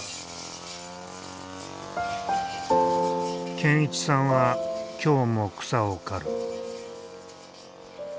健一さんは今日も草を刈る。